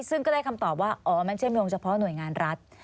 ซึ่งก็ได้คำตอบว่าอ๋อมันเชื่อมโยงเฉพาะหน่วยงานรัฐ